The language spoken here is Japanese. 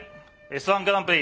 「Ｓ−１グランプリ」